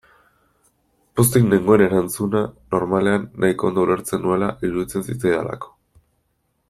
Pozik nengoen erantzuna, normalean, nahiko ondo ulertzen nuela iruditzen zitzaidalako.